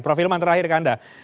profilman terakhir ke anda